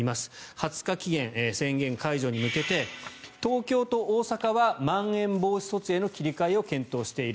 ２０日期限宣言解除に向けて東京と大阪はまん延防止措置への切り替えを検討している。